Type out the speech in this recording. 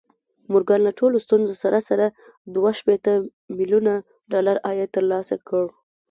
مورګان له ټولو ستونزو سره سره دوه شپېته ميليونه ډالر عايد ترلاسه کړ.